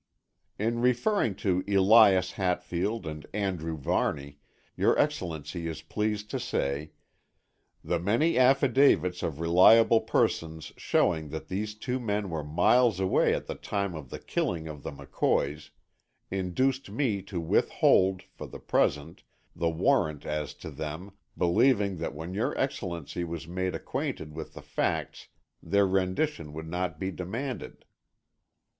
In referring to Elias Hatfield and Andrew Varney, your Excellency is pleased to say: "The many affidavits of reliable persons showing that these two men were miles away at the time of the killing of the McCoys induced me to withhold, for the present, the warrant as to them, believing that when your Excellency was made acquainted with the facts their rendition would not be demanded."